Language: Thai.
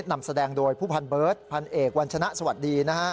นำแสดงโดยผู้พันเบิร์ตพันเอกวัญชนะสวัสดีนะฮะ